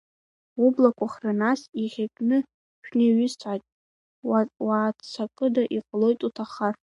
Ублақәа хҩа, нас, иахьакгьы шәнеиҩысааит, уааццакында, иҟалоит уҭахар…